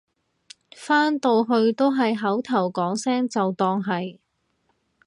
返到去都係口頭講聲就當係